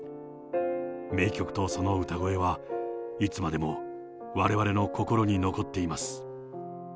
名曲とその歌声は、いつまでもわれわれの心に残っています。